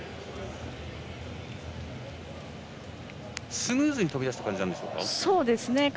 スムーズに跳びだした感じでしょうか。